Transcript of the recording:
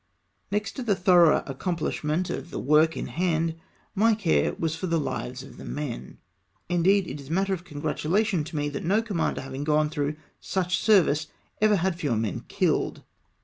Next to the thorough accomphshment of the work in hand my care was for the hves of the men. Indeed, it is matter of congratulation to me that no commander having gone through such service ever had fewer men killed.